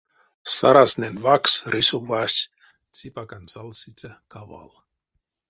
Саразтнэнь ваксс рисовась ципакань салсиця кавал.